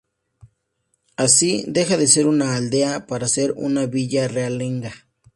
Así, deja de ser una aldea para ser una villa realenga.